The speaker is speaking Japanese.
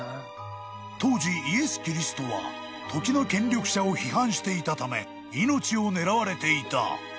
［当時イエス・キリストは時の権力者を批判していたため命を狙われていた］